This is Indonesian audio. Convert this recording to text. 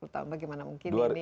tahun bagaimana mungkin ini